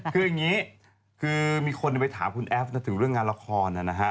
คืออย่างนี้คือมีคนไปถามคุณแอฟนะถึงเรื่องงานละครนะฮะ